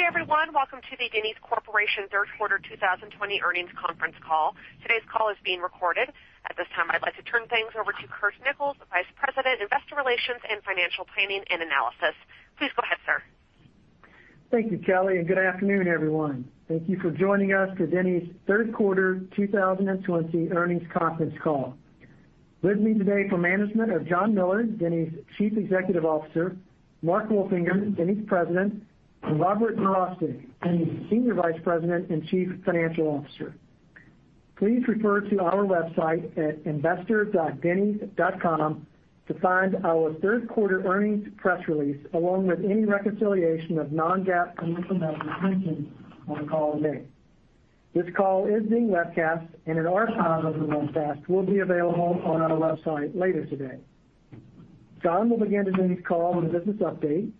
Good day, everyone. Welcome to the Denny's Corporation third quarter 2020 earnings conference call. Today's call is being recorded. At this time, I'd like to turn things over to Curt Nichols, the vice president, Investor Relations and Financial Planning and Analysis. Please go ahead, sir. Thank you, Kelly. Good afternoon, everyone. Thank you for joining us for Denny's third quarter 2020 earnings conference call. With me today from management are John Miller, Denny's Chief Executive Officer, Mark Wolfinger, Denny's President, and Robert Verostek, Denny's Senior Vice President and Chief Financial Officer. Please refer to our website at investor.dennys.com to find our third quarter earnings press release, along with any reconciliation of non-GAAP financial measures mentioned on the call today. This call is being webcast and an archive of the webcast will be available on our website later today. John will begin today's call with a business update.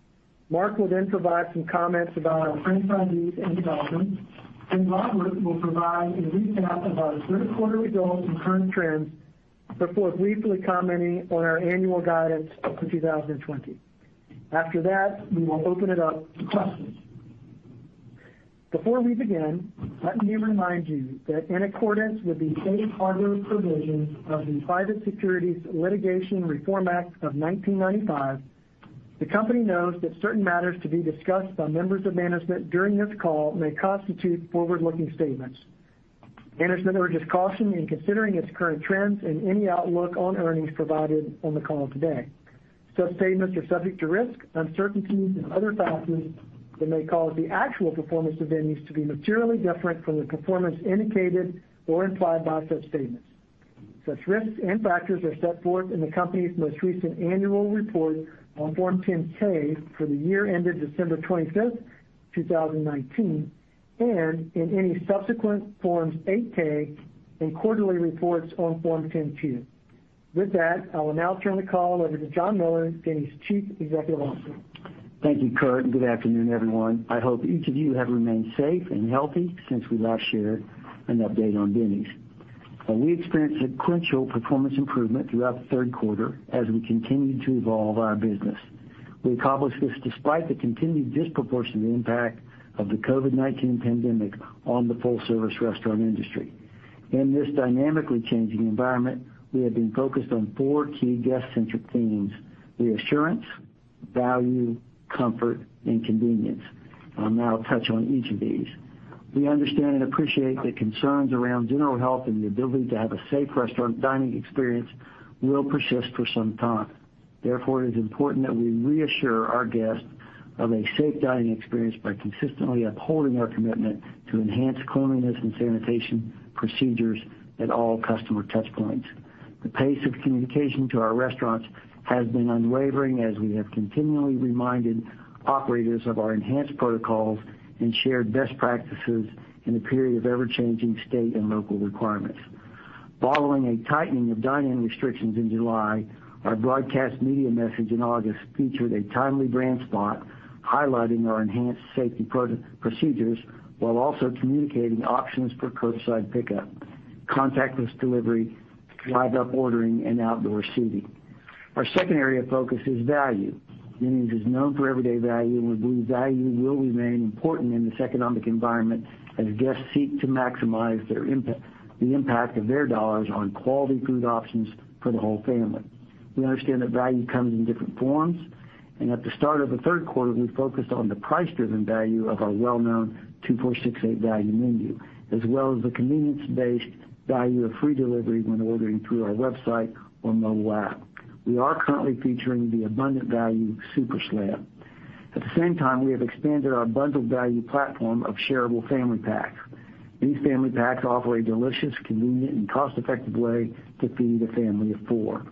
Mark will then provide some comments about our franchisees and developments, and Robert will provide a recap of our third quarter results and current trends before briefly commenting on our annual guidance for 2020. After that, we will open it up to questions. Before we begin, let me remind you that in accordance with the safe harbor provisions of the Private Securities Litigation Reform Act of 1995, the company notes that certain matters to be discussed by members of management during this call may constitute forward-looking statements. Management urges caution in considering its current trends and any outlook on earnings provided on the call today. Such statements are subject to risks, uncertainties, and other factors that may cause the actual performance of Denny's to be materially different from the performance indicated or implied by such statements. Such risks and factors are set forth in the company's most recent annual report on Form 10-K for the year ended December 25th, 2019, and in any subsequent Forms 8-K and quarterly reports on Form 10-Q. With that, I will now turn the call over to John Miller, Denny's Chief Executive Officer. Thank you, Curt. Good afternoon, everyone. I hope each of you have remained safe and healthy since we last shared an update on Denny's. We experienced sequential performance improvement throughout the third quarter as we continued to evolve our business. We accomplished this despite the continued disproportionate impact of the COVID-19 pandemic on the full-service restaurant industry. In this dynamically changing environment, we have been focused on four key guest-centric themes, reassurance, value, comfort, and convenience. I'll now touch on each of these. We understand and appreciate the concerns around general health and the ability to have a safe restaurant dining experience will persist for some time. Therefore, it is important that we reassure our guests of a safe dining experience by consistently upholding our commitment to enhance cleanliness and sanitation procedures at all customer touchpoints. The pace of communication to our restaurants has been unwavering as we have continually reminded operators of our enhanced protocols and shared best practices in a period of ever-changing state and local requirements. Following a tightening of dine-in restrictions in July, our broadcast media message in August featured a timely brand spot highlighting our enhanced safety procedures while also communicating options for curbside pickup, contactless delivery, drive-up ordering, and outdoor seating. Our second area of focus is value. Denny's is known for everyday value, and we believe value will remain important in this economic environment as guests seek to maximize the impact of their dollars on quality food options for the whole family. We understand that value comes in different forms, and at the start of the third quarter, we focused on the price-driven value of our well-known two for $6.80 Value Menu as well as the convenience-based value of free delivery when ordering through our website or mobile app. We are currently featuring the Abundant Value Super Slam. At the same time, we have expanded our bundled value platform of shareable family packs. These family packs offer a delicious, convenient, and cost-effective way to feed a family of four.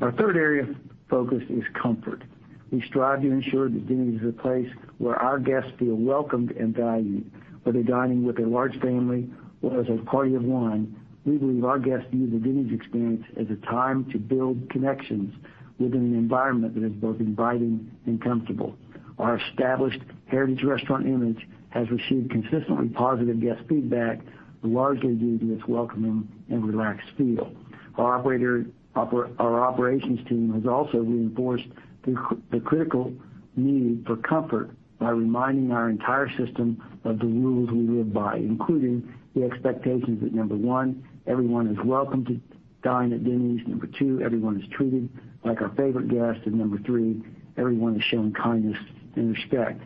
Our third area of focus is comfort. We strive to ensure that Denny's is a place where our guests feel welcomed and valued. Whether dining with a large family or as a party of one, we believe our guests view the Denny's experience as a time to build connections within an environment that is both inviting and comfortable. Our established heritage restaurant image has received consistently positive guest feedback, largely due to its welcoming and relaxed feel. Our operations team has also reinforced the critical need for comfort by reminding our entire system of the rules we live by, including the expectations that, number 1, everyone is welcome to dine at Denny's. Number two, everyone is treated like our favorite guest. number three, everyone is shown kindness and respect.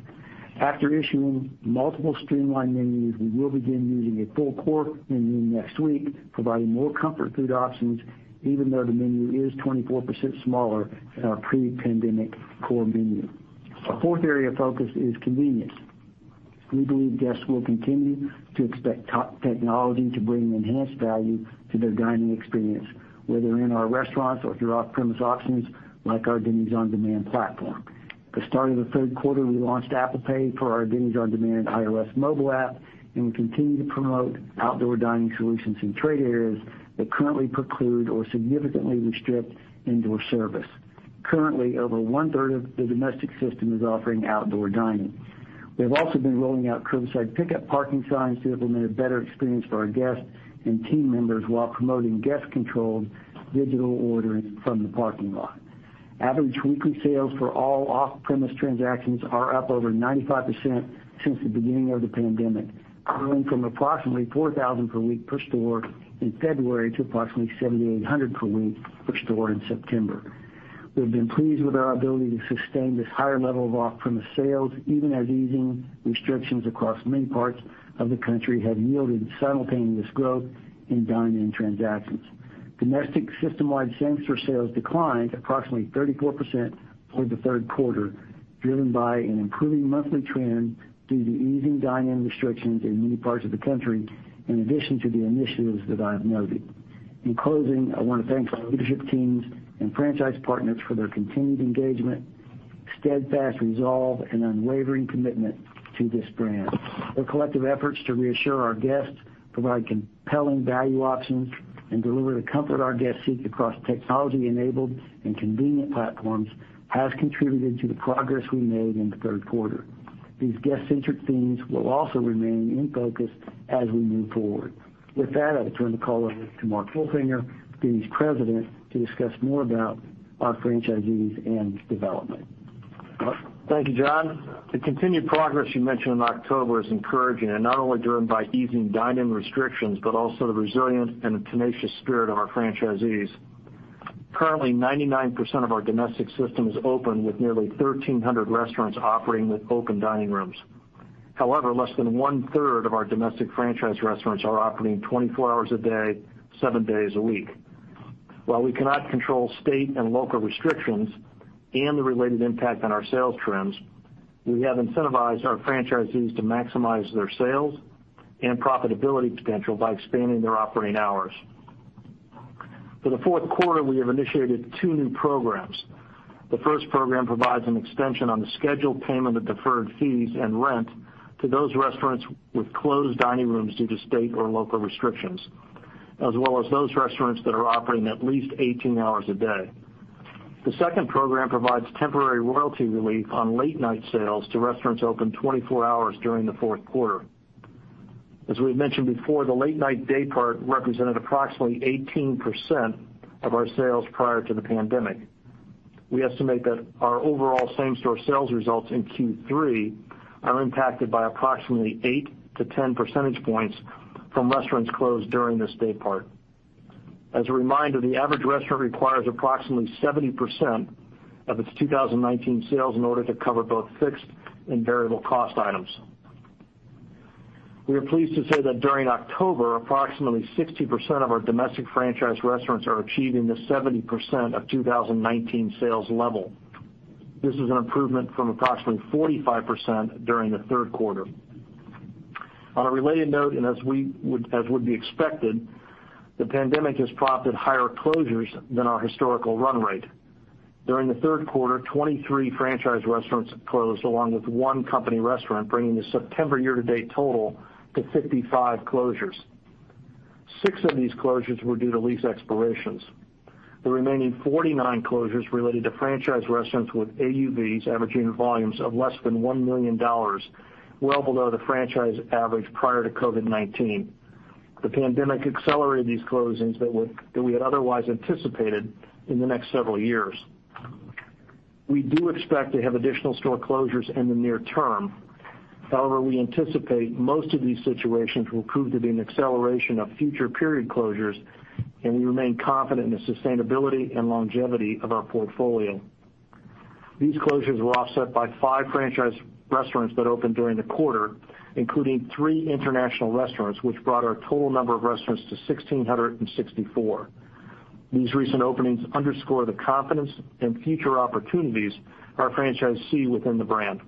After issuing multiple streamlined menus, we will begin using a full core menu next week, providing more comfort food options even though the menu is 24% smaller than our pre-pandemic core menu. Our fourth area of focus is convenience. We believe guests will continue to expect technology to bring enhanced value to their dining experience, whether in our restaurants or through off-premise options like our Denny's On Demand platform. At the start of the third quarter, we launched Apple Pay for our Denny's On Demand iOS mobile app, and we continue to promote outdoor dining solutions in trade areas that currently preclude or significantly restrict indoor service. Currently, over one-third of the domestic system is offering outdoor dining. We have also been rolling out curbside pickup parking signs to implement a better experience for our guests and team members while promoting guest-controlled digital ordering from the parking lot. Average weekly sales for all off-premise transactions are up over 95% since the beginning of the pandemic, growing from approximately 4,000 per week per store in February to approximately 7,800 per week per store in September. We've been pleased with our ability to sustain this higher level of off-premise sales, even as easing restrictions across many parts of the country have yielded simultaneous growth in dine-in transactions. Domestic systemwide same-store sales declined approximately 34% for the third quarter, driven by an improving monthly trend due to easing dine-in restrictions in many parts of the country, in addition to the initiatives that I've noted. In closing, I want to thank our leadership teams and franchise partners for their continued engagement, steadfast resolve, and unwavering commitment to this brand. Their collective efforts to reassure our guests, provide compelling value options, and deliver the comfort our guests seek across technology-enabled and convenient platforms has contributed to the progress we made in the third quarter. These guest-centric themes will also remain in focus as we move forward. With that, I'll turn the call over to Mark Wolfinger, Denny's President, to discuss more about our franchisees and development. Thank you, John. The continued progress you mentioned in October is encouraging and not only driven by easing dine-in restrictions, but also the resilient and the tenacious spirit of our franchisees. Currently, 99% of our domestic system is open, with nearly 1,300 restaurants operating with open dining rooms. However, less than one-third of our domestic franchise restaurants are operating 24 hours a day, seven days a week. While we cannot control state and local restrictions and the related impact on our sales trends, we have incentivized our franchisees to maximize their sales and profitability potential by expanding their operating hours. For the fourth quarter, we have initiated two new programs. The first program provides an extension on the scheduled payment of deferred fees and rent to those restaurants with closed dining rooms due to state or local restrictions, as well as those restaurants that are operating at least 18 hours a day. The second program provides temporary royalty relief on late-night sales to restaurants open 24 hours during the fourth quarter. As we've mentioned before, the late-night daypart represented approximately 18% of our sales prior to the pandemic. We estimate that our overall same-store sales results in Q3 are impacted by approximately eight to 10 percentage points from restaurants closed during this daypart. As a reminder, the average restaurant requires approximately 70% of its 2019 sales in order to cover both fixed and variable cost items. We are pleased to say that during October, approximately 60% of our domestic franchise restaurants are achieving the 70% of 2019 sales level. This is an improvement from approximately 45% during the third quarter. On a related note, and as would be expected, the pandemic has prompted higher closures than our historical run rate. During the third quarter, 23 franchise restaurants have closed, along with one company restaurant, bringing the September year-to-date total to 55 closures. Six of these closures were due to lease expirations. The remaining 49 closures related to franchise restaurants with AUVs, Average Unit Volumes, of less than $1 million, well below the franchise average prior to COVID-19. The pandemic accelerated these closings that we had otherwise anticipated in the next several years. We do expect to have additional store closures in the near term. However, we anticipate most of these situations will prove to be an acceleration of future period closures, and we remain confident in the sustainability and longevity of our portfolio. These closures were offset by five franchise restaurants that opened during the quarter, including three international restaurants, which brought our total number of restaurants to 1,664. These recent openings underscore the confidence in future opportunities our franchisees see within the brand.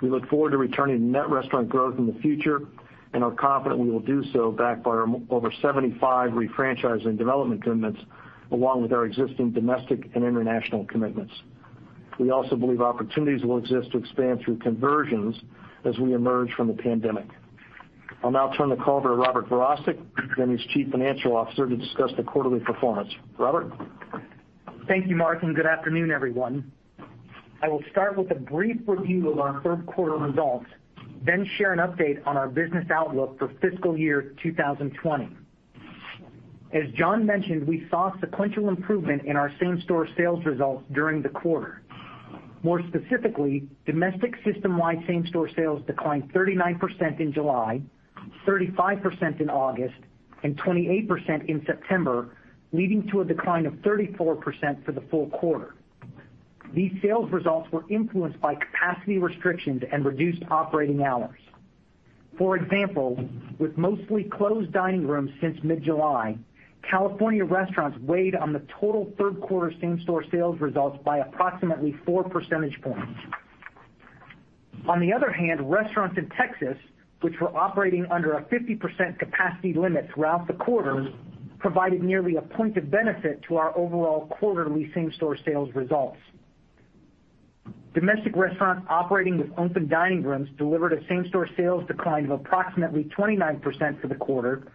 We look forward to returning to net restaurant growth in the future and are confident we will do so, backed by our over 75 refranchising development commitments, along with our existing domestic and international commitments. We also believe opportunities will exist to expand through conversions as we emerge from the pandemic. I'll now turn the call over to Robert Verostek, Denny's chief financial officer, to discuss the quarterly performance. Robert? Thank you, Mark, and good afternoon, everyone. I will start with a brief review of our third quarter results, then share an update on our business outlook for fiscal year 2020. As John mentioned, we saw sequential improvement in our same-store sales results during the quarter. More specifically, domestic systemwide same-store sales declined 39% in July, 35% in August, and 28% in September, leading to a decline of 34% for the full quarter. These sales results were influenced by capacity restrictions and reduced operating hours. For example, with mostly closed dining rooms since mid-July, California restaurants weighed on the total third quarter same-store sales results by approximately 4 percentage points. On the other hand, restaurants in Texas, which were operating under a 50% capacity limit throughout the quarter, provided nearly one point of benefit to our overall quarterly same-store sales results. Domestic restaurants operating with open dining rooms delivered a same-store sales decline of approximately 29% for the quarter,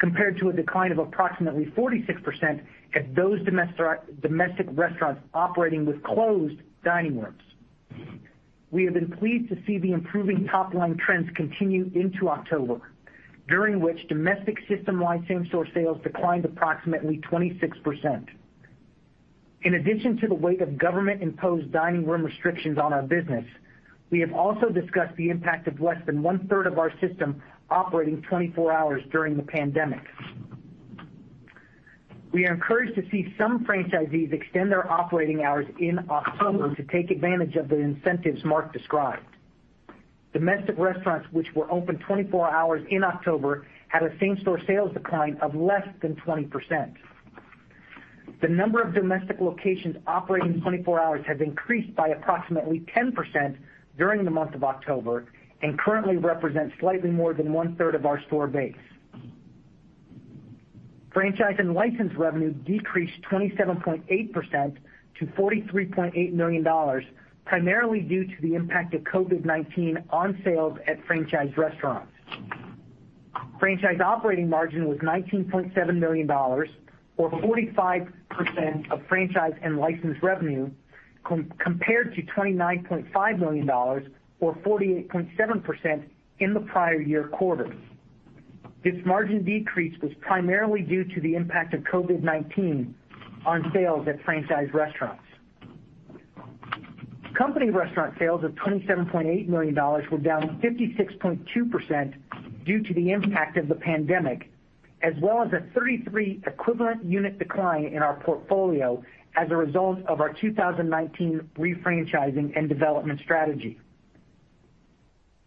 compared to a decline of approximately 46% at those domestic restaurants operating with closed dining rooms. We have been pleased to see the improving top-line trends continue into October. During which domestic system-wide same-store sales declined approximately 26%. In addition to the weight of government-imposed dining room restrictions on our business, we have also discussed the impact of less than one-third of our system operating 24 hours during the pandemic. We are encouraged to see some franchisees extend their operating hours in October to take advantage of the incentives Mark described. Domestic restaurants which were open 24 hours in October had a same-store sales decline of less than 20%. The number of domestic locations operating 24 hours have increased by approximately 10% during the month of October and currently represent slightly more than one-third of our store base. Franchise and license revenue decreased 27.8% to $43.8 million, primarily due to the impact of COVID-19 on sales at franchised restaurants. Franchise operating margin was $19.7 million or 45% of franchise and license revenue, compared to $29.5 million or 48.7% in the prior year quarter. This margin decrease was primarily due to the impact of COVID-19 on sales at franchised restaurants. Company restaurant sales of $27.8 million were down 56.2% due to the impact of the pandemic, as well as a 33 equivalent unit decline in our portfolio as a result of our 2019 refranchising and development strategy.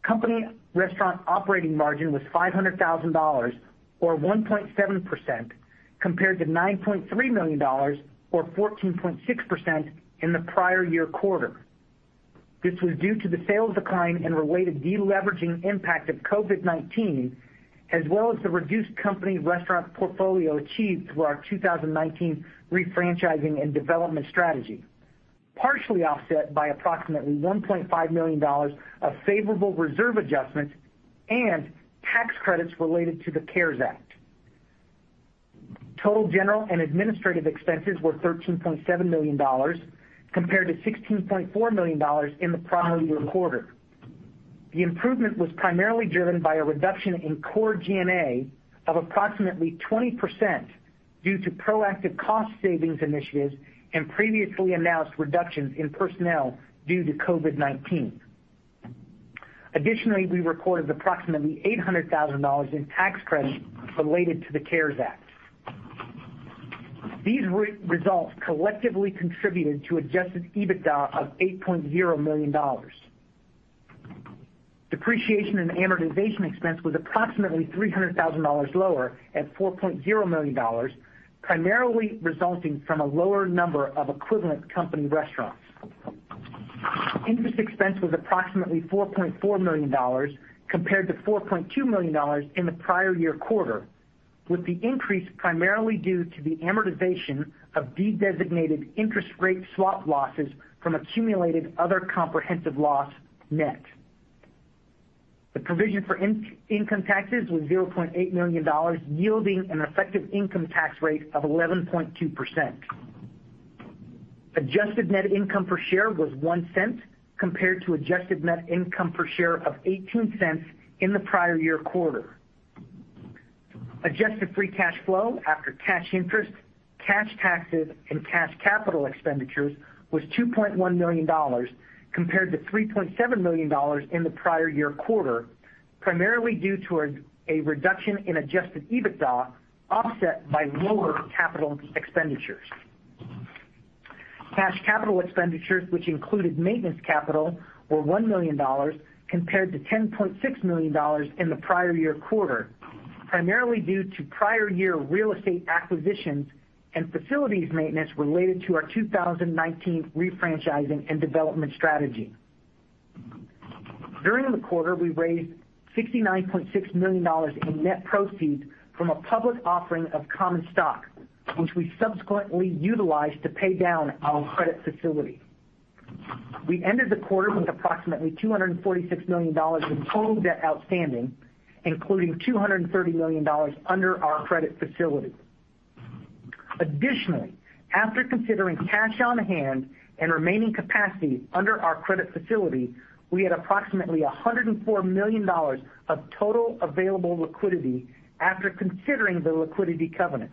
Company restaurant operating margin was $500,000, or 1.7%, compared to $9.3 million or 14.6% in the prior year quarter. This was due to the sales decline and related deleveraging impact of COVID-19, as well as the reduced company restaurant portfolio achieved through our 2019 refranchising and development strategy, partially offset by approximately $1.5 million of favorable reserve adjustments and tax credits related to the CARES Act. Total General and administrative expenses were $13.7 million compared to $16.4 million in the prior year quarter. The improvement was primarily driven by a reduction in core G&A of approximately 20% due to proactive cost savings initiatives and previously announced reductions in personnel due to COVID-19. Additionally, we recorded approximately $800,000 in tax credits related to the CARES Act. These results collectively contributed to adjusted EBITDA of $8.0 million. Depreciation and amortization expense was approximately $300,000 lower at $4.0 million, primarily resulting from a lower number of equivalent company restaurants. Interest expense was approximately $4.4 million compared to $4.2 million in the prior year quarter, with the increase primarily due to the amortization of dedesignated interest rate swap losses from accumulated other comprehensive loss net. The provision for income taxes was $0.8 million, yielding an effective income tax rate of 11.2%. Adjusted net income per share was $0.01 compared to adjusted net income per share of $0.18 in the prior year quarter. Adjusted free cash flow after cash interest, cash taxes, and cash capital expenditures was $2.1 million compared to $3.7 million in the prior year quarter, primarily due to a reduction in adjusted EBITDA offset by lower capital expenditures. Cash capital expenditures, which included maintenance capital, were $1 million compared to $10.6 million in the prior year quarter, primarily due to prior year real estate acquisitions and facilities maintenance related to our 2019 refranchising and development strategy. During the quarter, we raised $69.6 million in net proceeds from a public offering of common stock, which we subsequently utilized to pay down our credit facility. We ended the quarter with approximately $246 million in total debt outstanding, including $230 million under our credit facility. Additionally, after considering cash on hand and remaining capacity under our credit facility, we had approximately $104 million of total available liquidity after considering the liquidity covenant.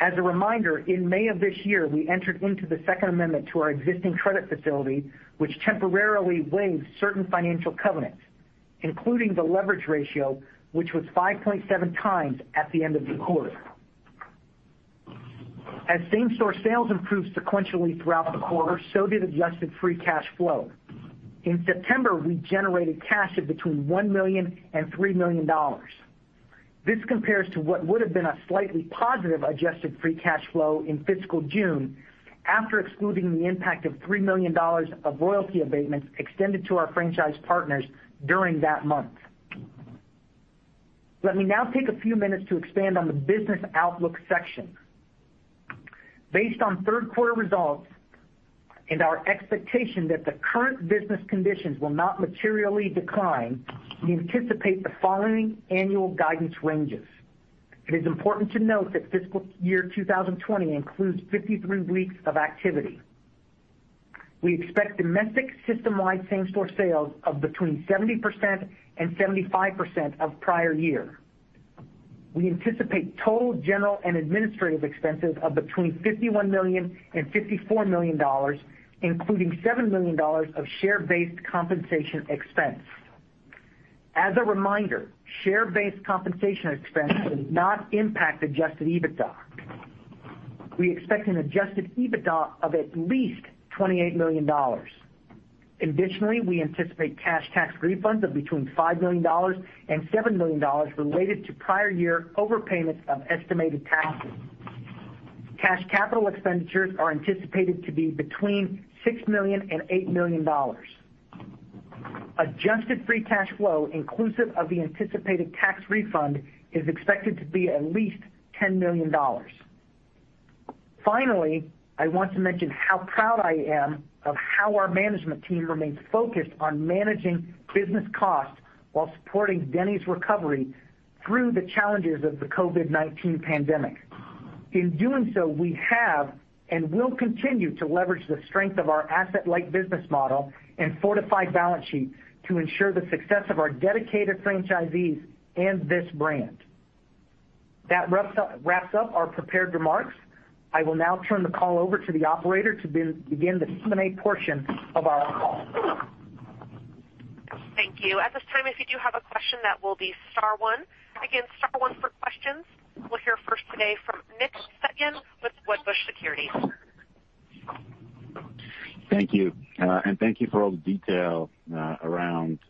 As a reminder, in May of this year, we entered into the second amendment to our existing credit facility, which temporarily waives certain financial covenants, including the leverage ratio, which was 5.7 times at the end of the quarter. As same-store sales improved sequentially throughout the quarter, so did adjusted free cash flow. In September, we generated cash of between $1 million and $3 million. This compares to what would have been a slightly positive adjusted free cash flow in fiscal June, after excluding the impact of $3 million of royalty abatements extended to our franchise partners during that month. Let me now take a few minutes to expand on the business outlook section. Based on third quarter results and our expectation that the current business conditions will not materially decline, we anticipate the following annual guidance ranges. It is important to note that fiscal year 2020 includes 53 weeks of activity. We expect domestic system-wide same-store sales of between 70% and 75% of prior year. We anticipate total general and administrative expenses of between $51 million and $54 million, including $7 million of share-based compensation expense. As a reminder, share-based compensation expense does not impact adjusted EBITDA. We expect an adjusted EBITDA of at least $28 million. Additionally, we anticipate cash tax refunds of between $5 million and $7 million related to prior year overpayments of estimated taxes. Cash capital expenditures are anticipated to be between $6 million and $8 million. Adjusted free cash flow, inclusive of the anticipated tax refund, is expected to be at least $10 million. Finally, I want to mention how proud I am of how our management team remains focused on managing business costs while supporting Denny's recovery through the challenges of the COVID-19 pandemic. In doing so, we have, and will continue to leverage the strength of our asset-light business model and fortified balance sheet to ensure the success of our dedicated franchisees and this brand. That wraps up our prepared remarks. I will now turn the call over to the operator to begin the Q&A portion of our call. Thank you. At this time, if you do have a question, that will be star one. Again, star one for questions. We'll hear first today from Nick Setyan with Wedbush Securities. Thank you. Thank you for all the detail around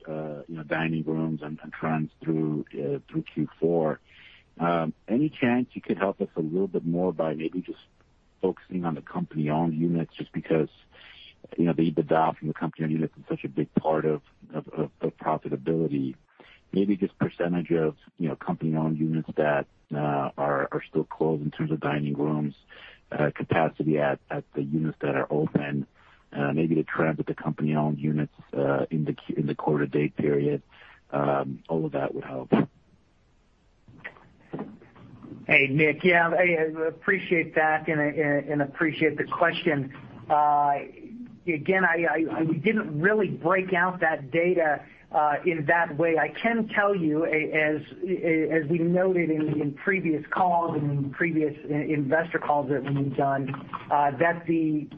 dining rooms and trends through Q4. Any chance you could help us a little bit more by maybe just focusing on the company-owned units, just because the EBITDA from the company-owned units is such a big part of profitability. Maybe just percentage of company-owned units that are still closed in terms of dining rooms, capacity at the units that are open, maybe the trend with the company-owned units in the quarter to date period. All of that would help. Hey, Nick. Yeah, I appreciate that and appreciate the question. I didn't really break out that data in that way. I can tell you, as we noted in previous calls and in previous investor calls that we've done, that the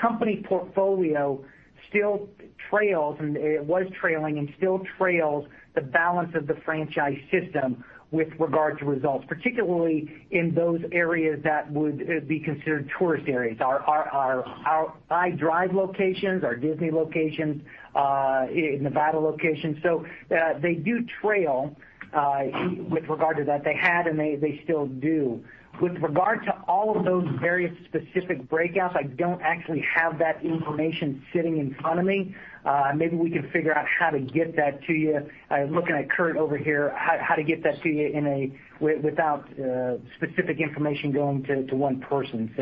company portfolio still trails, and it was trailing, and still trails the balance of the franchise system with regard to results, particularly in those areas that would be considered tourist areas. Our I-Drive locations, our Disney locations, Nevada locations. They do trail with regard to that. They had, and they still do. With regard to all of those very specific breakouts, I don't actually have that information sitting in front of me. Maybe we can figure out how to get that to you. I'm looking at Curt over here, how to get that to you without specific information going to one person.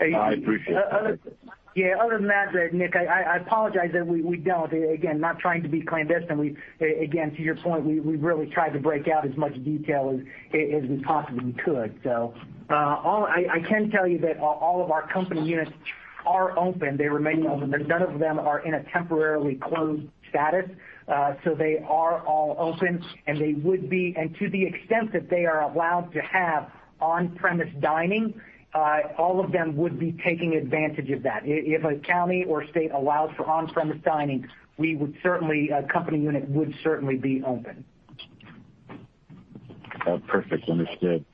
I appreciate that. Yeah. Other than that, Nick, I apologize that we don't. Again, not trying to be clandestine. Again, to your point, we really tried to break out as much detail as we possibly could. I can tell you that all of our company units are open. They remain open. None of them are in a temporarily closed status. They are all open, and to the extent that they are allowed to have on-premise dining, all of them would be taking advantage of that. If a county or state allows for on-premise dining, a company unit would certainly be open. Perfect. Understood.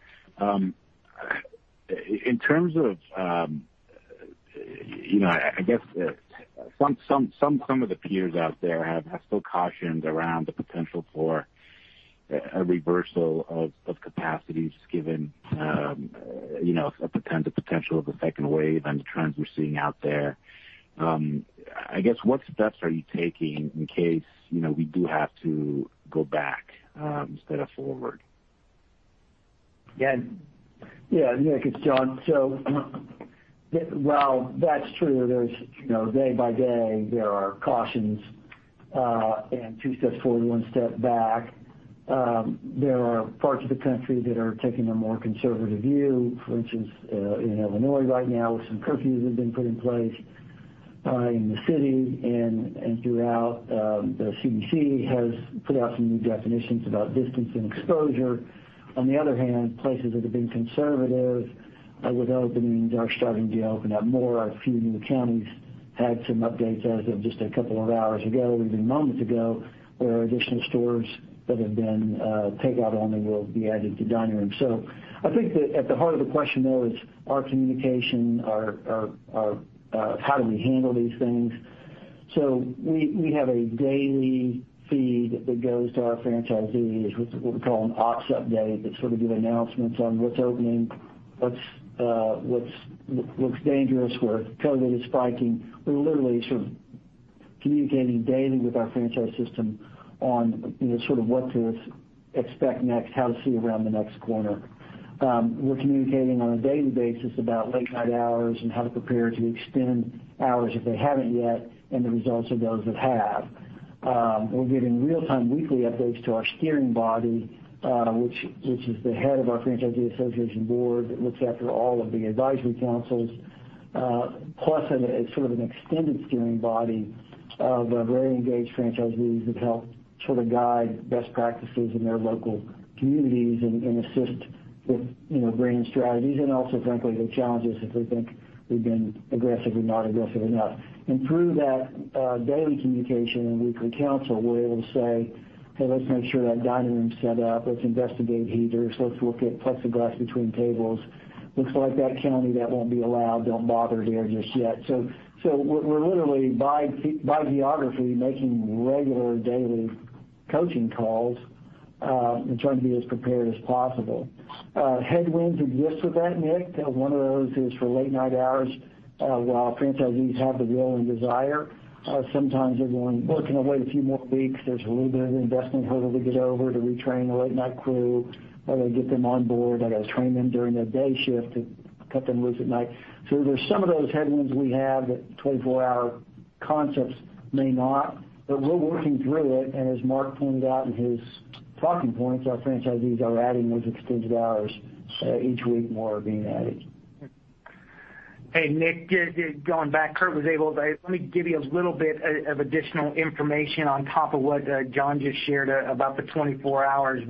In terms of, I guess some of the peers out there have still cautioned around the potential for a reversal of capacities given the potential of a second wave and the trends we're seeing out there. I guess, what steps are you taking in case we do have to go back instead of forward? Yeah, Nick, it's John. While that's true, day by day, there are cautions, and two steps forward, one step back. There are parts of the country that are taking a more conservative view. For instance, in Illinois right now with some curfews that have been put in place in the city and throughout. The CDC has put out some new definitions about distance and exposure. On the other hand, places that have been conservative with openings are starting to open up more. A few new counties had some updates as of just a couple of hours ago, even moments ago, where additional stores that have been takeout only will be added to dine-in. I think that at the heart of the question, though, it's our communication, how do we handle these things. We have a daily feed that goes to our franchisees, which is what we call an ops update, that sort of give announcements on what's opening, what looks dangerous, where COVID is spiking. We're literally sort of communicating daily with our franchise system on sort of what to expect next, how to see around the next corner. We're communicating on a daily basis about late-night hours and how to prepare to extend hours if they haven't yet, and the results of those that have. We're giving real-time weekly updates to our steering body, which is the head of our franchisee association board, that looks after all of the advisory councils, plus it's sort of an extended steering body of very engaged franchisees who help sort of guide best practices in their local communities and assist with bringing strategies and also, frankly, the challenges if we think we've been aggressive or not aggressive enough. Through that daily communication and weekly council, we're able to say, Hey, let's make sure that dining room's set up. Let's investigate heaters. Let's look at plexiglass between tables. Looks like that county, that won't be allowed. Don't bother there just yet. We're literally, by geography, making regular daily coaching calls, and trying to be as prepared as possible. Headwinds exist with that, Nick. One of those is for late-night hours. While franchisees have the will and desire, sometimes they're going, Well, can I wait a few more weeks? There's a little bit of an investment hurdle to get over to retrain the late-night crew, how to get them on board, how to train them during their day shift to cut them loose at night. There's some of those headwinds we have that 24-hour concepts may not. We're working through it, and as Mark pointed out in his talking points, our franchisees are adding those extended hours. Each week, more are being added. Hey, Nick, going back, Curt, let me give you a little bit of additional information on top of what John just shared about the 24 hours.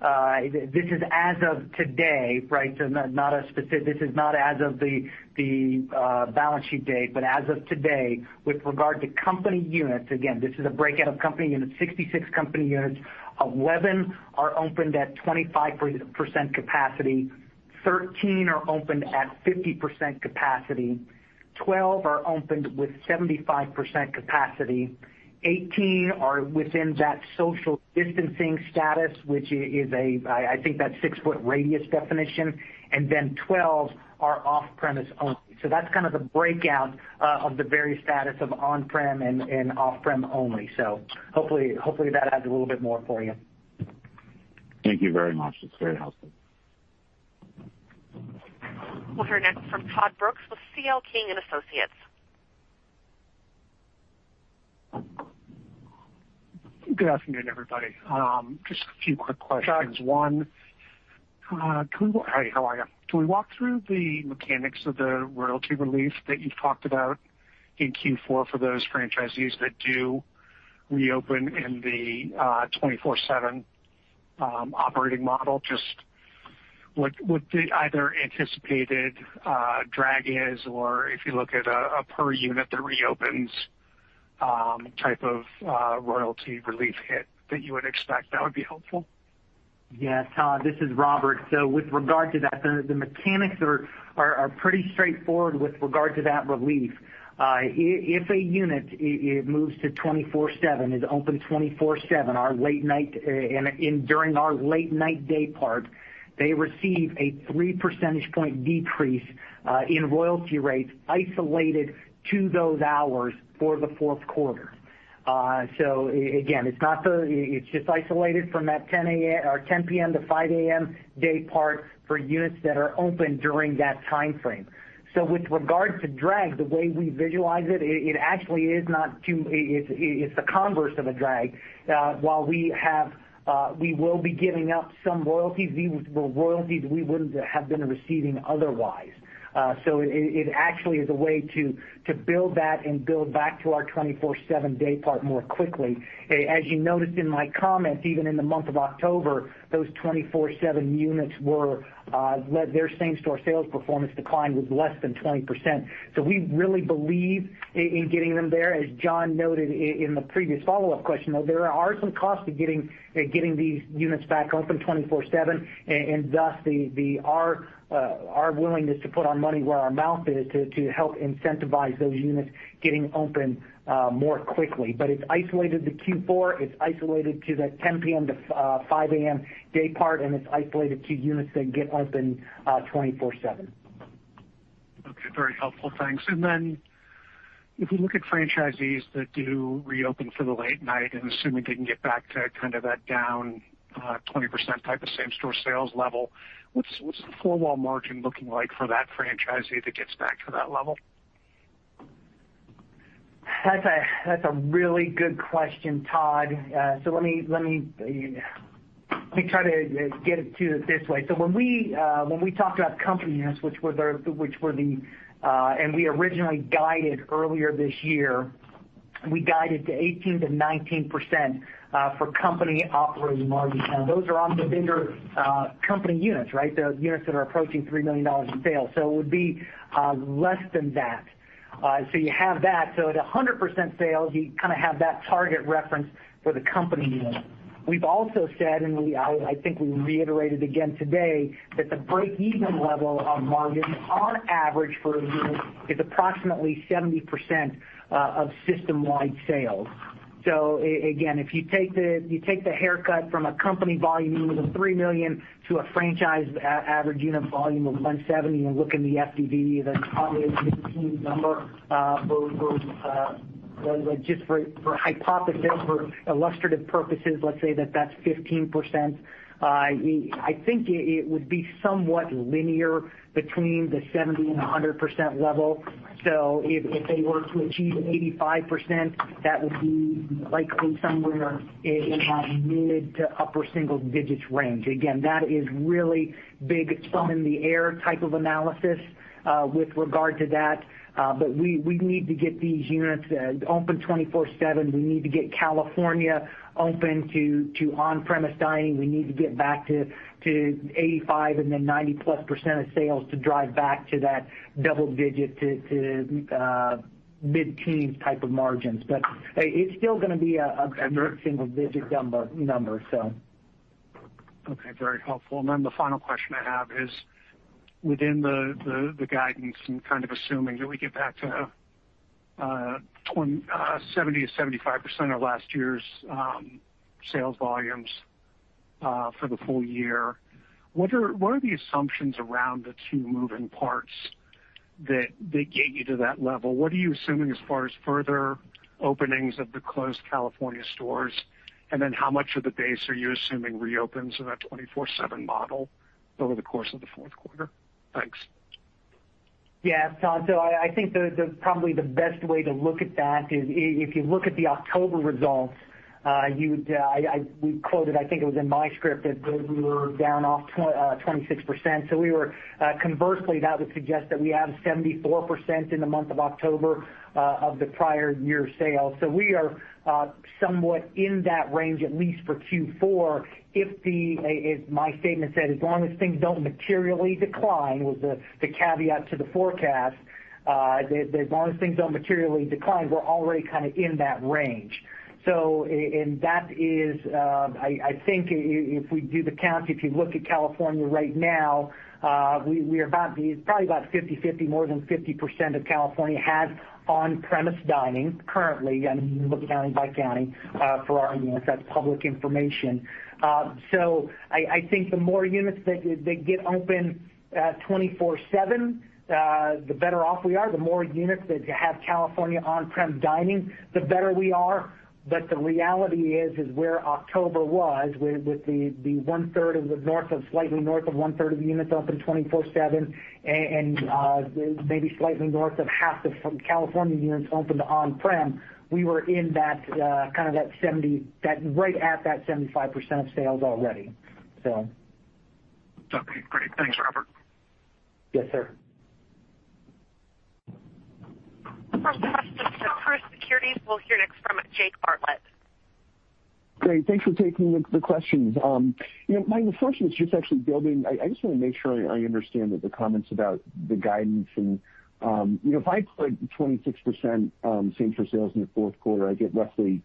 This is as of today, right? This is not as of the balance sheet date, but as of today, with regard to company units, again, this is a breakout of company units, 66 company units, 11 are opened at 25% capacity, 13 are opened at 50% capacity, 12 are opened with 75% capacity, 18 are within that social distancing status, which is, I think, that 6-foot radius definition, 12 are off-premise only. That's kind of the breakout of the various status of on-prem and off-prem only. Hopefully, that adds a little bit more for you. Thank you very much. That's very helpful. We'll hear next from Todd Brooks with CL King & Associates. Good afternoon, everybody. Just a few quick questions. Todd. Hey, how are you? Can we walk through the mechanics of the royalty relief that you've talked about in Q4 for those franchisees that do reopen in the 24/7 operating model? Just what the either anticipated drag is or if you look at a per unit that reopens type of royalty relief hit that you would expect, that would be helpful. Yeah, Todd, this is Robert. With regard to that, the mechanics are pretty straightforward with regard to that relief. If a unit moves to 24/7, is open 24/7, during our late-night daypart, they receive a three percentage point decrease in royalty rates isolated to those hours for the fourth quarter. Again, it's just isolated from that 10:00 P.M. to 5:00 A.M. daypart for units that are open during that timeframe. With regard to drag, the way we visualize it's the converse of a drag. While we will be giving up some royalties, these were royalties we wouldn't have been receiving otherwise. It actually is a way to build that and build back to our 24/7 daypart more quickly. As you noticed in my comments, even in the month of October, those 24/7 units, their same-store sales performance decline was less than 20%. We really believe in getting them there. As John noted in the previous follow-up question, though, there are some costs to getting these units back open 24/7, and thus our willingness to put our money where our mouth is to help incentivize those units getting open more quickly. It's isolated to Q4, it's isolated to that 10:00 P.M. to 5:00 A.M. daypart, and it's isolated to units that get open 24/7. Okay. Very helpful. Thanks. If we look at franchisees that do reopen for the late night and assuming they can get back to kind of that down 20% type of same-store sales level, what's the full wall margin looking like for that franchisee that gets back to that level? That's a really good question, Todd. Let me try to get it to it this way. When we talked about company units, we originally guided earlier this year, we guided to 18%-19% for company operating margins. Now, those are on the bigger company units, right? The units that are approaching $3 million in sales. It would be less than that. You have that. At 100% sales, you kind of have that target reference for the company unit. We've also said, and I think we reiterated again today, that the break-even level on margins on average for a unit is approximately 70% of system-wide sales. Again, if you take the haircut from a company volume unit of $3 million to a franchise average unit volume of $170, and look in the FDD, the probably mid-teen number, just for hypothesis, for illustrative purposes, let's say that that's 15%. I think it would be somewhat linear between the 70%-100% level. If they were to achieve 85%, that would be likely somewhere in that mid to upper single digits range. Again, that is really big thumb in the air type of analysis with regard to that. We need to get these units open 24/7. We need to get California open to on-premise dining. We need to get back to 85 and then 90+% of sales to drive back to that double-digit to mid-teens type of margins. It's still going to be a mid-single-digit number. Okay. Very helpful. The final question I have is within the guidance and kind of assuming that we get back to 70%-75% of last year's sales volumes for the full year, what are the assumptions around the two moving parts that get you to that level? What are you assuming as far as further openings of the closed California stores? How much of the base are you assuming reopens in that 24/7 model over the course of the fourth quarter? Thanks. Yeah. I think probably the best way to look at that is if you look at the October results, we quoted, I think it was in my script, that we were down off 26%. Conversely, that would suggest that we added 74% in the month of October of the prior year sales. We are somewhat in that range, at least for Q4. As my statement said, as long as things don't materially decline, was the caveat to the forecast. As long as things don't materially decline, we're already kind of in that range. I think if we do the count, if you look at California right now, it's probably about 50/50, more than 50% of California has on-premise dining currently. You can look county by county for our units. That's public information. I think the more units that get open 24/7, the better off we are. The more units that have California on-prem dining, the better we are. The reality is where October was with the slightly north of one-third of the units open 24/7 and maybe slightly north of half the California units opened on-prem, we were right at that 75% of sales already. Okay, great. Thanks, Robert. Yes, sir. First question from Truist Securities. We'll hear next from Jake Bartlett. Great. Thanks for taking the questions. My first one is just actually building. I just want to make sure I understand the comments about the guidance. If I put 26% same-store sales in the fourth quarter, I get roughly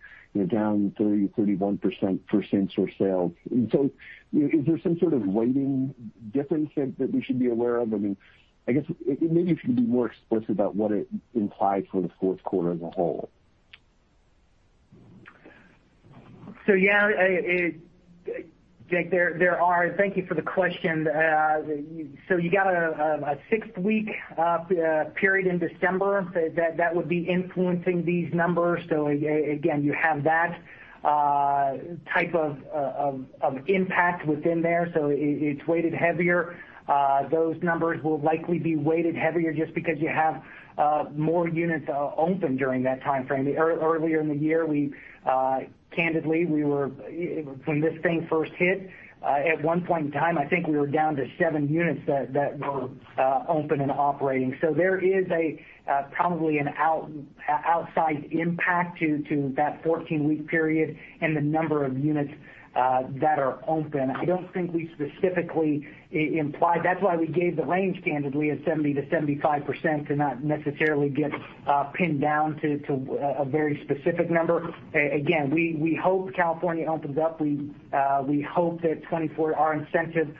down 30% or 31% for same-store sales. Is there some sort of weighting difference that we should be aware of? I guess maybe if you could be more explicit about what it implies for the fourth quarter as a whole. Yeah, Jake, there are. Thank you for the question. You got a six-week period in December that would be influencing these numbers. Again, you have that type of impact within there, so it's weighted heavier. Those numbers will likely be weighted heavier just because you have more units open during that timeframe. Earlier in the year, candidly, when this thing first hit, at one point in time, I think we were down to seven units that were open and operating. There is probably an outsized impact to that 14-week period and the number of units that are open. I don't think we specifically implied. That's why we gave the range, candidly, of 70%-75% to not necessarily get pinned down to a very specific number. Again, we hope California opens up. We hope that our incentive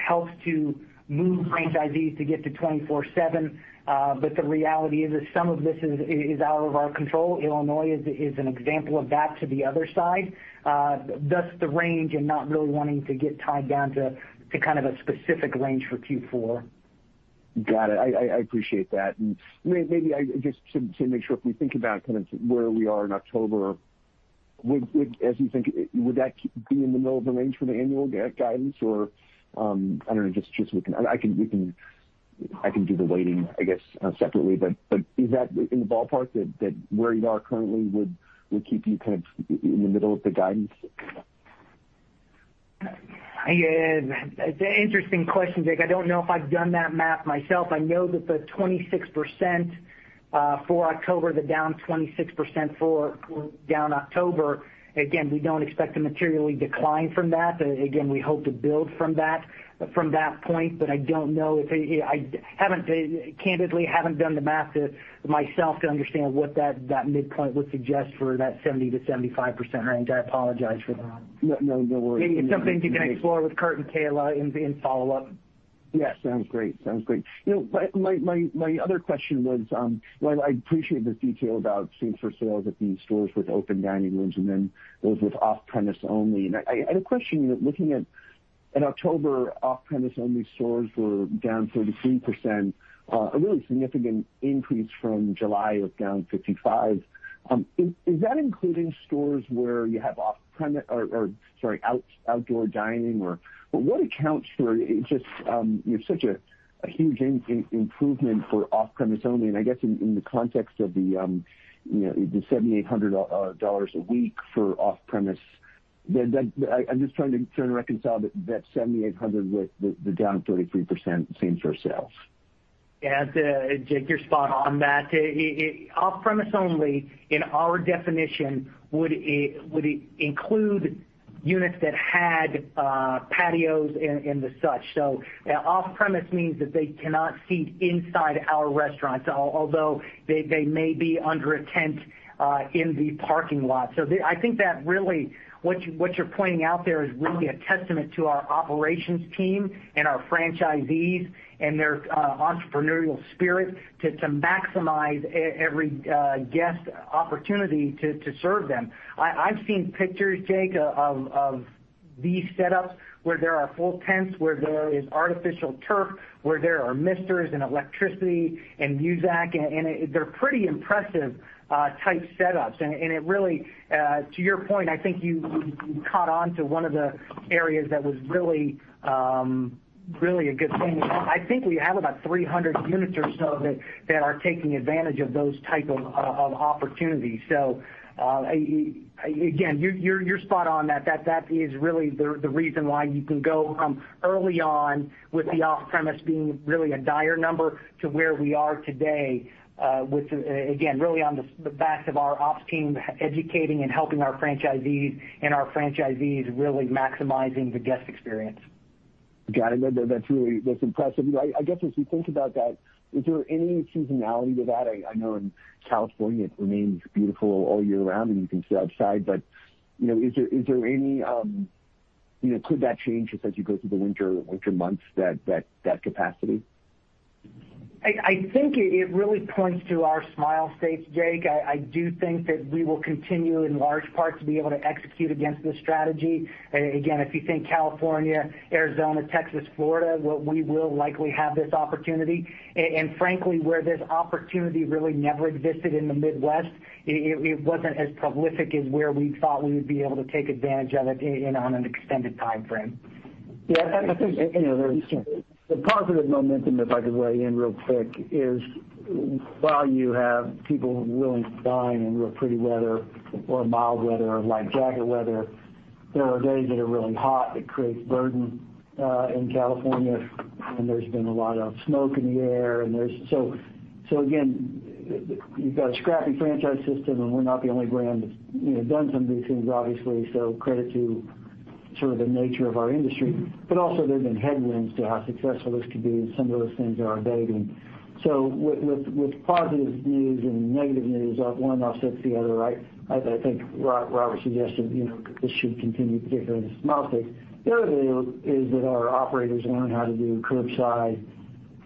helps to move franchisees to get to 24/7. The reality is that some of this is out of our control. Illinois is an example of that to the other side. The range and not really wanting to get tied down to kind of a specific range for Q4. Got it. I appreciate that. Maybe just to make sure, if we think about kind of where we are in October, as you think, would that be in the middle of the range for the annual guidance? I don't know, I can do the weighting, I guess, separately, but is that in the ballpark that where you are currently would keep you kind of in the middle of the guidance? It's an interesting question, Jake. I don't know if I've done that math myself. I know that the 26% for October, the down 26% for down October, again, we don't expect to materially decline from that. We hope to build from that point. I don't know. I candidly haven't done the math myself to understand what that midpoint would suggest for that 70%-75% range. I apologize for that. No worries. Maybe it's something you can explore with Curt and Kayla in follow-up. Yeah. Sounds great. My other question was, while I appreciate this detail about same-store sales at these stores with open dining rooms and then those with off-premise only. I had a question, looking at October, off-premise only stores were down 33%, a really significant increase from July of down 55%. Is that including stores where you have off-premise or, sorry, outdoor dining? What accounts for such a huge improvement for off-premise only? I guess in the context of the $7,800 a week for off-premise. I'm just trying to reconcile that $7,800 with the down 33% same-store sales. Yeah. Jake, you're spot on that. Off-premise only, in our definition, would include units that had patios and the such. Off-premise means that they cannot seat inside our restaurants, although they may be under a tent in the parking lot. I think that really, what you're pointing out there is really a testament to our operations team and our franchisees and their entrepreneurial spirit to maximize every guest opportunity to serve them. I've seen pictures, Jake, of these setups where there are full tents, where there is artificial turf, where there are misters and electricity and Muzak, and they're pretty impressive type setups. It really, to your point, I think you caught on to one of the areas that was really a good thing. I think we have about 300 units or so that are taking advantage of those type of opportunities. Again, you're spot on that. That is really the reason why you can go from early on with the off-premise being really a dire number to where we are today with, again, really on the backs of our ops team educating and helping our franchisees, and our franchisees really maximizing the guest experience. Got it. That's impressive. I guess, as we think about that, is there any seasonality to that? I know in California, it remains beautiful all year round, and you can stay outside. Could that change just as you go through the winter months, that capacity? I think it really points to our Smile Safe, Jake. I do think that we will continue, in large part, to be able to execute against this strategy. Again, if you think California, Arizona, Texas, Florida, we will likely have this opportunity. Frankly, where this opportunity really never existed in the Midwest, it wasn't as prolific as where we thought we would be able to take advantage of it on an extended timeframe. Yeah. I think the positive momentum, if I could weigh in real quick, is while you have people willing to dine in real pretty weather or mild weather, like jacket weather, there are days that are really hot that create burden in California, and there's been a lot of smoke in the air. Again, you've got a scrappy franchise system, and we're not the only brand that's done some of these things, obviously, so credit to the nature of our industry. Also, there's been headwinds to how successful this could be, and some of those things are abating. With positive news and negative news, one offsets the other, right? I think Robert suggested this should continue, particularly in the Smile Safe. The other thing is that our operators learn how to do curbside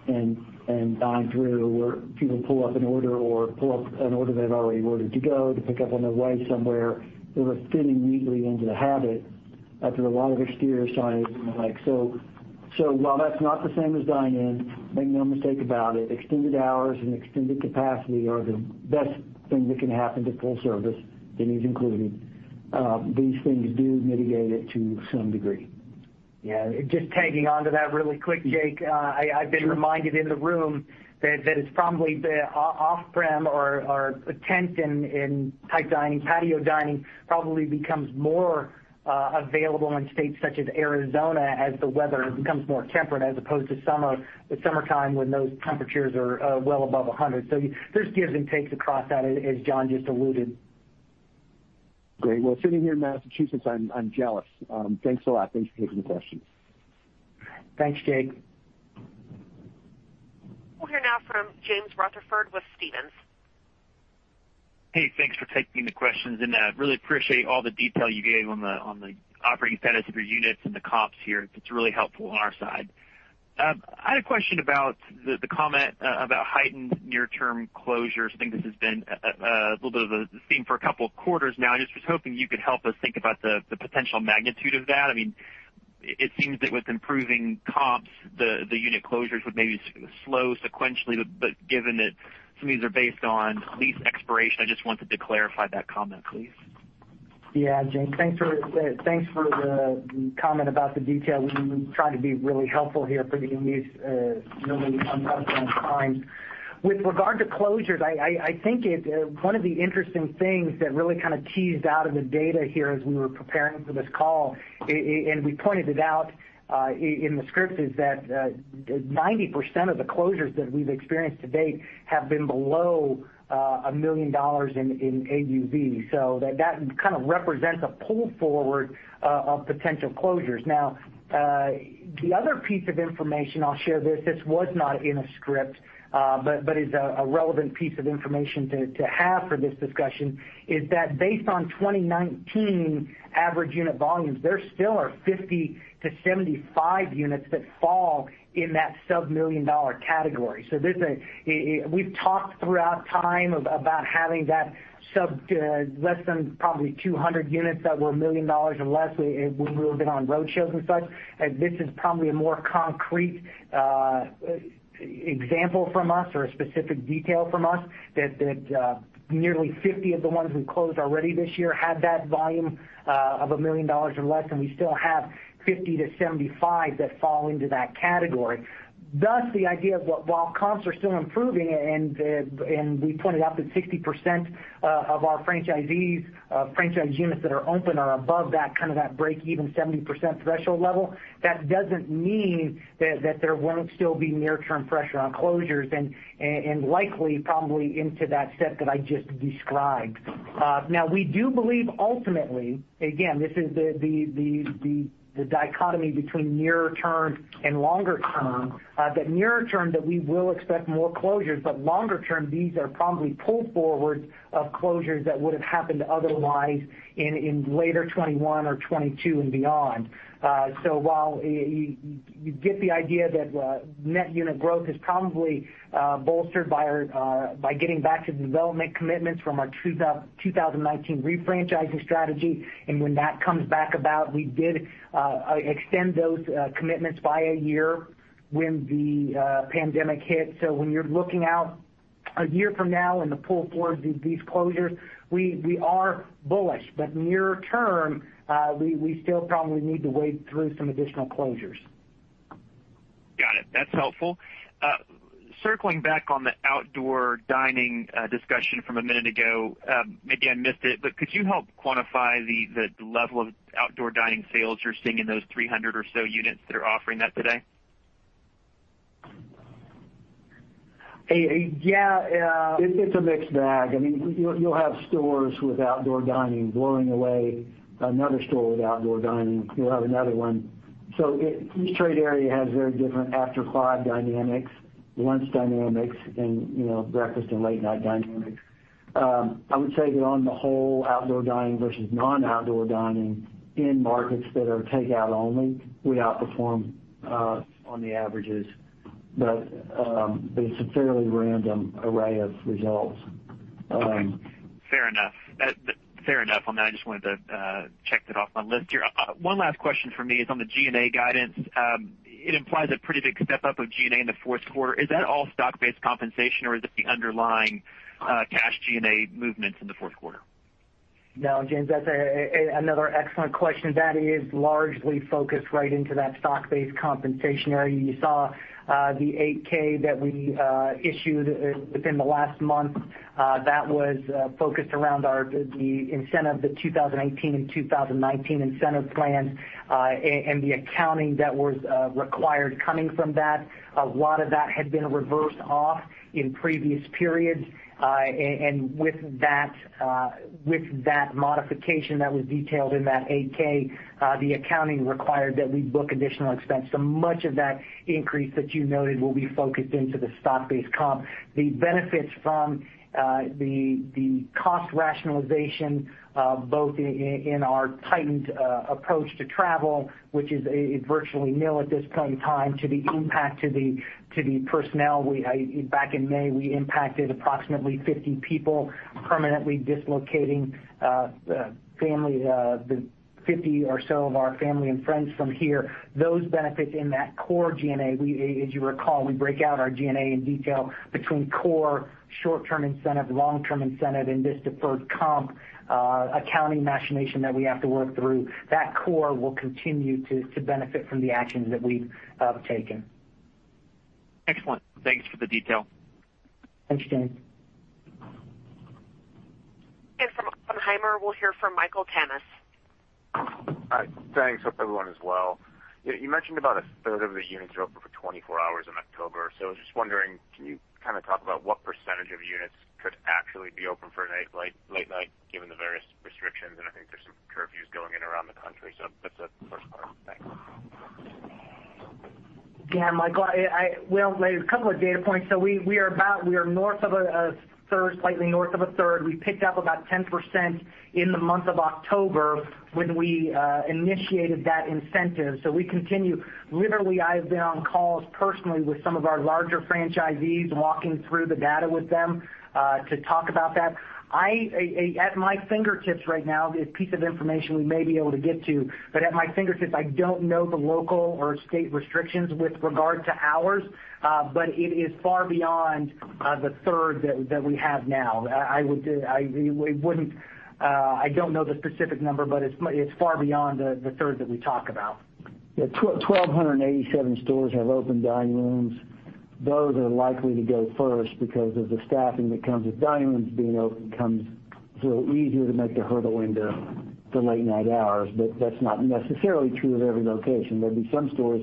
and dine through, where people pull up an order or pull up an order they've already ordered to go to pick up on their way somewhere. Those are fitting neatly into the habit after a lot of exterior signage and the like. While that's not the same as dine in, make no mistake about it, extended hours and extended capacity are the best thing that can happen to full service, Denny's included. These things do mitigate it to some degree. Yeah. Just tagging on to that really quick, Jake. Sure. I've been reminded in the room that it's probably the off-prem or a tent and tight dining, patio dining probably becomes more available in states such as Arizona as the weather becomes more temperate, as opposed to summertime when those temperatures are well above 100. There's gives and takes across that, as John just alluded. Great. Well, sitting here in Massachusetts, I'm jealous. Thanks a lot. Thanks for taking the question. Thanks, Jake. We'll hear now from James Rutherford with Stephens. Thanks for taking the questions. I really appreciate all the detail you gave on the operating status of your units and the comps here. It's really helpful on our side. I had a question about the comment about heightened near-term closures. I think this has been a little bit of a theme for a couple of quarters now. I just was hoping you could help us think about the potential magnitude of that. It seems that with improving comps, the unit closures would maybe slow sequentially, but given that some of these are based on lease expiration, I just wanted to clarify that comment, please. James. Thanks for the comment about the detail. We try to be really helpful here for the analysts, knowing you sometimes don't have time. With regard to closures, I think one of the interesting things that really kind of teased out of the data here as we were preparing for this call, and we pointed it out in the script, is that 90% of the closures that we've experienced to date have been below $1 million in AUV. That kind of represents a pull forward of potential closures. The other piece of information I'll share, this was not in a script but is a relevant piece of information to have for this discussion, is that based on 2019 average unit volumes, there still are 50-75 units that fall in that sub $1 million category. We've talked throughout time about having that less than probably 200 units that were $1 million or less. We moved it on roadshows and such. This is probably a more concrete example from us or a specific detail from us that nearly 50 of the ones we closed already this year had that volume of $1 million or less, and we still have 50 to 75 that fall into that category. The idea of while comps are still improving, and we pointed out that 60% of our franchise units that are open are above that breakeven 70% threshold level, that doesn't mean that there won't still be near-term pressure on closures and likely, probably into that set that I just described. We do believe ultimately, again, this is the dichotomy between near term and longer term, that near term, that we will expect more closures, longer term, these are probably pull forward of closures that would have happened otherwise in later 2021 or 2022 and beyond. While you get the idea that net unit growth is probably bolstered by getting back to the development commitments from our 2019 refranchising strategy, and when that comes back about, we did extend those commitments by a year when the pandemic hit. When you're looking out a year from now in the pull forward, these closures, we are bullish, near term, we still probably need to wade through some additional closures. Got it. That's helpful. Circling back on the outdoor dining discussion from a minute ago, maybe I missed it, but could you help quantify the level of outdoor dining sales you're seeing in those 300 or so units that are offering that today? Yeah. It's a mixed bag. You'll have stores with outdoor dining blowing away another store with outdoor dining. You'll have another one. Each trade area has very different after-five dynamics, lunch dynamics, and breakfast and late-night dynamics. I would say that on the whole, outdoor dining versus non-outdoor dining in markets that are takeout only, we outperform on the averages. It's a fairly random array of results. Fair enough. On that, I just wanted to check that off my list here. One last question from me is on the G&A guidance. It implies a pretty big step-up of G&A in the fourth quarter. Is that all stock-based compensation, or is it the underlying cash G&A movements in the fourth quarter? James, that's another excellent question. That is largely focused right into that stock-based compensation area. You saw the 8-K that we issued within the last month. That was focused around the 2018 and 2019 incentive plan, and the accounting that was required coming from that. A lot of that had been reversed off in previous periods. With that modification that was detailed in that 8-K, the accounting required that we book additional expense. Much of that increase that you noted will be focused into the stock-based comp. The benefits from the cost rationalization, both in our tightened approach to travel, which is virtually nil at this point in time to the impact to the personnel. Back in May, we impacted approximately 50 people, permanently dislocating 50 or so of our family and friends from here. Those benefits in that core G&A, as you recall, we break out our G&A in detail between core, short-term incentive, long-term incentive, and this deferred comp accounting machination that we have to work through. That core will continue to benefit from the actions that we've taken. Excellent. Thanks for the detail. Thanks, James. From Oppenheimer, we'll hear from Michael Tamas. Hi. Thanks. Hope everyone is well. You mentioned about a third of the units are open for 24 hours in October. I was just wondering, can you talk about what percentage of units could actually be open for late night, given the various restrictions, and I think there's some curfews going in around the country. That's the first part. Thanks. Yeah, Michael. Well, there's a couple of data points. We are north of a third, slightly north of a third. We picked up about 10% in the month of October when we initiated that incentive. We continue. Literally, I have been on calls personally with some of our larger franchisees, walking through the data with them to talk about that. At my fingertips right now, the piece of information we may be able to get to, at my fingertips, I don't know the local or state restrictions with regard to hours. It is far beyond the third that we have now. I don't know the specific number, it's far beyond the third that we talk about. Yeah, 1,287 stores have open dining rooms. Those are likely to go first because of the staffing that comes with dining rooms being open comes easier to make the hurdle into the late-night hours. That's not necessarily true of every location. There'd be some stores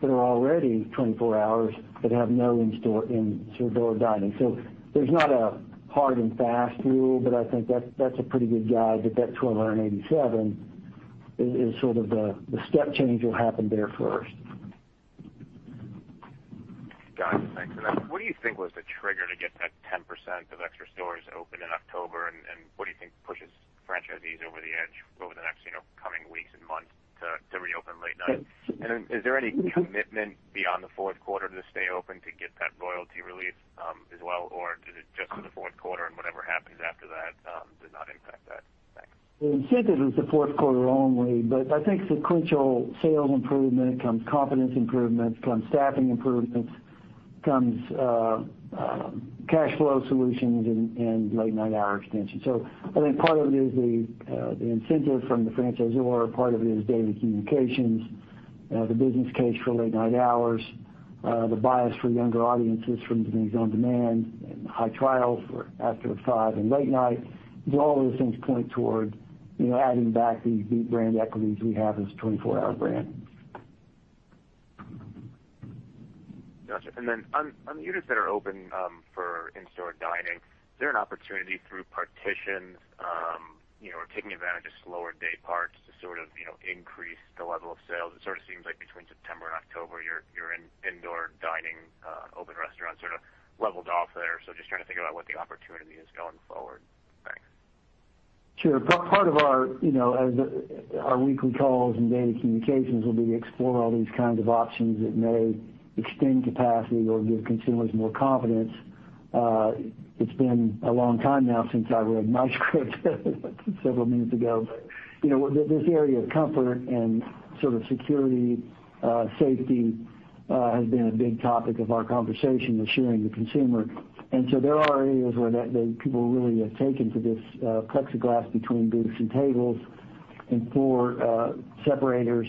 that are already 24 hours that have no in-store indoor dining. There's not a hard and fast rule. I think that's a pretty good guide, that 1,287 is the step change will happen there first. Got it. Thanks for that. What do you think was the trigger to get that 10% of extra stores open in October, and what do you think pushes franchisees over the edge over the next coming weeks and months to reopen late night? Is there any commitment beyond the fourth quarter to stay open to get that royalty relief as well, or is it just for the fourth quarter? Did not expect that. Thanks. The incentive is the fourth quarter only, I think sequential sales improvement comes confidence improvements, comes staffing improvements, comes cash flow solutions and late night hour extension. I think part of it is the incentive from the franchisor, part of it is daily communications, the business case for late night hours, the bias for younger audiences from the Denny's on Demand, and high trials for after 5:00 and late night. All those things point toward adding back the brand equities we have as a 24-hour brand. Got you. On units that are open for in-store dining, is there an opportunity through partitions or taking advantage of slower day parts to increase the level of sales? It seems like between September and October, your indoor dining open restaurants sort of leveled off there. Just trying to think about what the opportunity is going forward. Thanks. Sure. Part of our weekly calls and daily communications will be to explore all these kinds of options that may extend capacity or give consumers more confidence. It's been a long time now since I read my script several minutes ago. This area of comfort and sort of security, safety, has been a big topic of our conversation, assuring the consumer. There are areas where people really have taken to this plexiglass between booths and tables, and floor separators,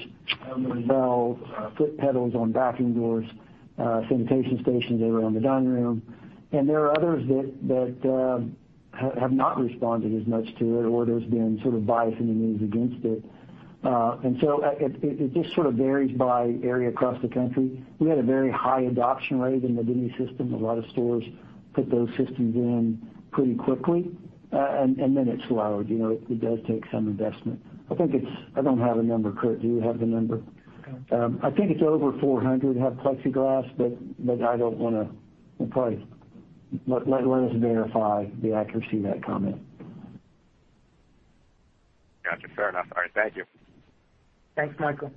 foot pedals on bathroom doors, sanitation stations everywhere in the dining room. There are others that have not responded as much to it, or there's been sort of bias in the news against it. It just sort of varies by area across the country. We had a very high adoption rate in the Denny's system. A lot of stores put those systems in pretty quickly, and then it slowed. It does take some investment. I don't have the number. Curt, do you have the number? No. I think it's over 400 have plexiglass. We'll probably let us verify the accuracy of that comment. Got you. Fair enough. All right, thank you. Thanks, Michael.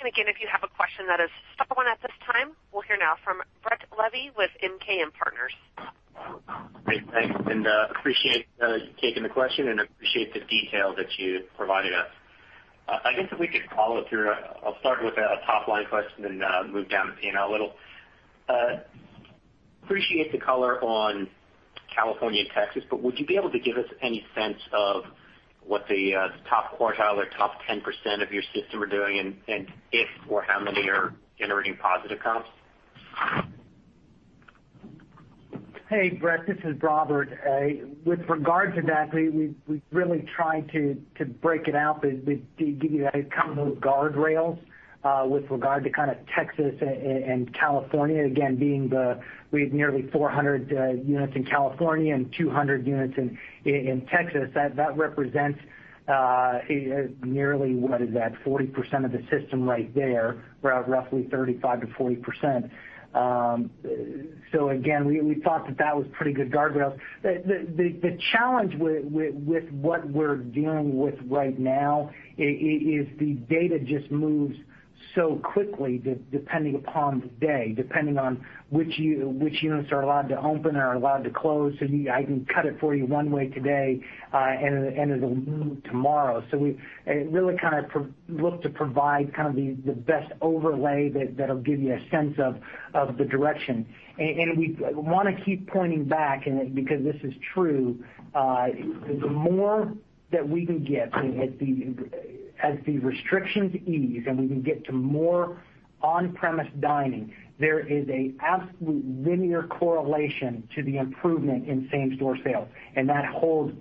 Again, if you have a question that is still on at this time, we'll hear now from Brett Levy with MKM Partners. Great, thanks, appreciate you taking the question and appreciate the detail that you provided us. I guess if we could follow through, I'll start with a top-line question and move down the P&L a little. Appreciate the color on California, Texas, would you be able to give us any sense of what the top quartile or top 10% of your system are doing and if or how many are generating positive comps? Hey, Brett, this is Robert. With regard to that, we've really tried to break it out, but we give you a couple of guardrails with regard to kind of Texas and California, again, being the We have nearly 400 units in California and 200 units in Texas. That represents nearly, what is that? 40% of the system right there. Roughly 35%-40%. Again, we thought that that was pretty good guardrails. The challenge with what we're dealing with right now is the data just moves so quickly depending upon the day, depending on which units are allowed to open or allowed to close. I can cut it for you one way today, and it'll move tomorrow. We really kind of look to provide kind of the best overlay that'll give you a sense of the direction. We want to keep pointing back, because this is true. The more that we can get as the restrictions ease and we can get to more on-premise dining, there is an absolute linear correlation to the improvement in same-store sales. That holds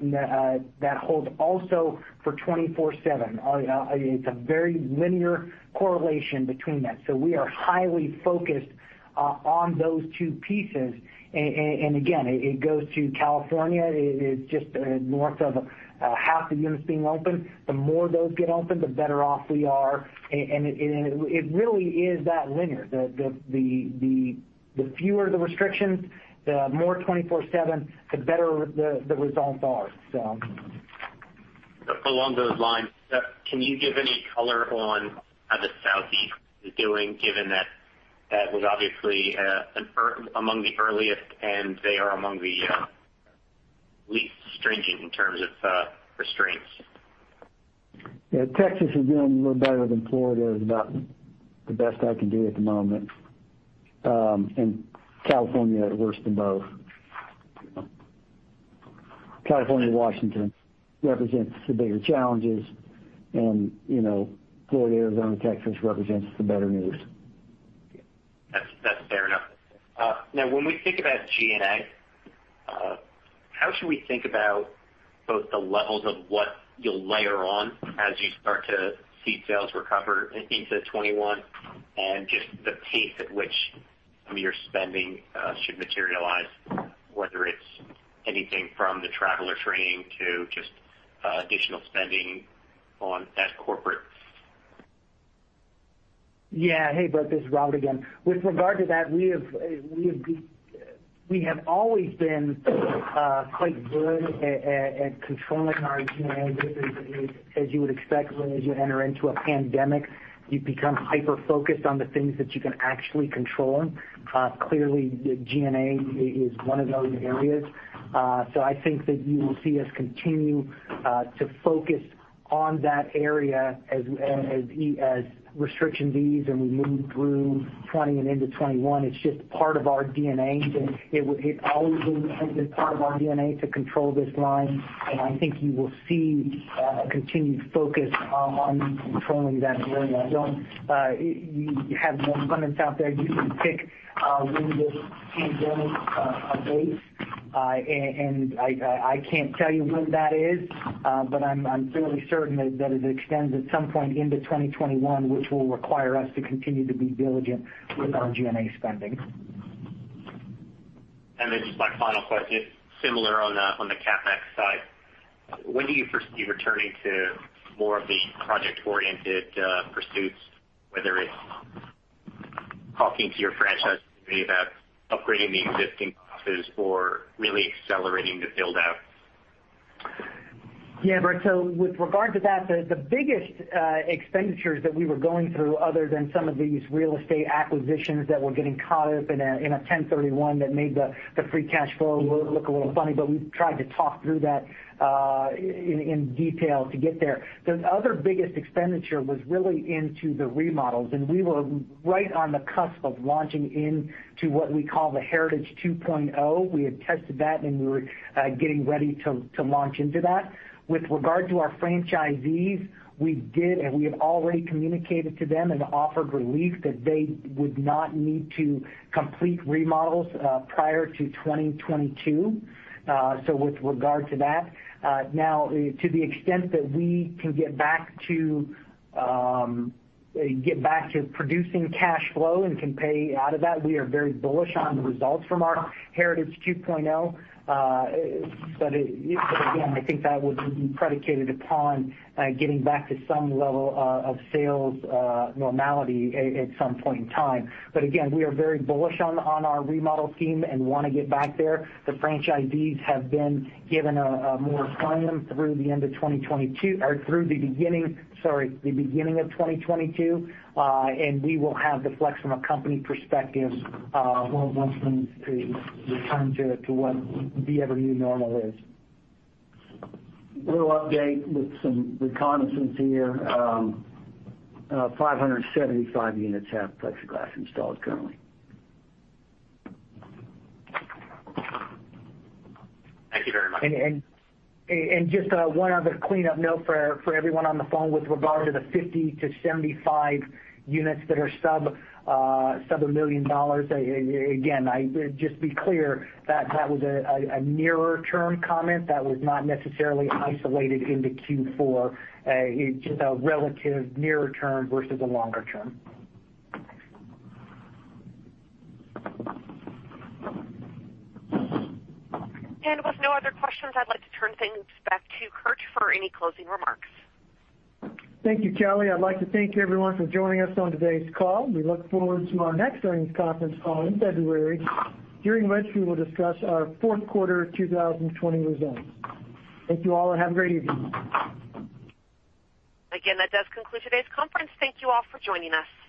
also for 24/7. It's a very linear correlation between that. We are highly focused on those two pieces. Again, it goes to California. It is just north of half the units being open. The more those get open, the better off we are. It really is that linear. The fewer the restrictions, the more 24/7, the better the results are. Along those lines, can you give any color on how the Southeast is doing, given that that was obviously among the earliest, and they are among the least stringent in terms of restraints? Yeah, Texas is doing a little better than Florida is about the best I can do at the moment. California worse than both. California, Washington represents the bigger challenges, and Florida, Arizona, Texas represents the better news. That's fair enough. When we think about G&A, how should we think about both the levels of what you'll layer on as you start to see sales recover into 2021 and just the pace at which some of your spending should materialize, whether it's anything from the travel or training to just additional spending on that corporate? Yeah. Hey, Brett, this is Robert again. With regard to that, we have always been quite good at controlling our G&A. As you would expect, as you enter into a pandemic, you become hyper-focused on the things that you can actually control. Clearly, G&A is one of those areas. I think that you will see us continue to focus on that area as restrictions ease and we move through 2020 and into 2021. It's just part of our DNA. It always has been part of our DNA to control this line, and I think you will see a continued focus on controlling that area. You have an abundance out there. You can pick when this pandemic abates, and I can't tell you when that is, but I'm fairly certain that it extends at some point into 2021, which will require us to continue to be diligent with our G&A spending. Just my final question, similar on the CapEx side, when do you foresee returning to more of the project-oriented pursuits, whether it's talking to your franchisees about upgrading the existing offices or really accelerating the build-out? Yeah, Brett, with regard to that, the biggest expenditures that we were going through, other than some of these real estate acquisitions that were getting caught up in a 1031 that made the free cash flow look a little funny, but we tried to talk through that in detail to get there. The other biggest expenditure was really into the remodels, and we were right on the cusp of launching into what we call the Heritage 2.0. We had tested that, and we were getting ready to launch into that. With regard to our franchisees, we did, and we have already communicated to them and offered relief that they would not need to complete remodels prior to 2022. With regard to that. Now, to the extent that we can get back to producing cash flow and can pay out of that, we are very bullish on the results from our Heritage 2.0. Again, I think that would be predicated upon getting back to some level of sales normality at some point in time. Again, we are very bullish on our remodel theme and want to get back there. The franchisees have been given more time through the beginning of 2022, and we will have the flex from a company perspective once things return to whatever new normal is. A little update with some reconnaissance here. 575 units have plexiglass installed currently. Thank you very much. Just one other cleanup note for everyone on the phone with regard to the 50 to 75 units that are sub $1 million. Again, just to be clear, that was a nearer term comment. That was not necessarily isolated into Q4. It's just a relative nearer term versus a longer term. With no other questions, I'd like to turn things back to Curt for any closing remarks. Thank you, Kelly. I'd like to thank everyone for joining us on today's call. We look forward to our next earnings conference call in February, during which we will discuss our fourth quarter 2020 results. Thank you all, and have a great evening. That does conclude today's conference. Thank you all for joining us.